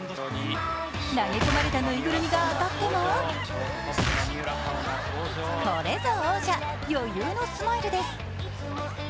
投げ込まれたぬいぐるみが当たってもこれぞ王者、余裕のスマイルです。